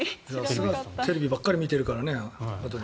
テレビばかり見てるからね羽鳥君。